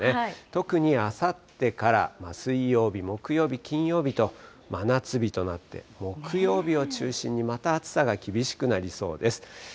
特にあさってから水曜日、木曜日、金曜日と、真夏日となって、木曜日を中心にまた暑さが厳しくなりそうです。